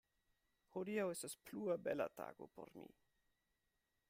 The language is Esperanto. Hodiaŭ estos plua bela tago por mi.